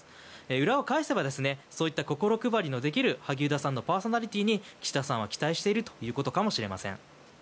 裏を返せばそういった心配りのできる萩生田さんのパーソナリティーに岸田さんは期待しているということかもしれません。